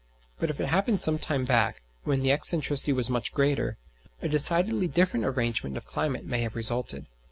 But if it happened some time back, when the excentricity was much greater, a decidedly different arrangement of climate may have resulted.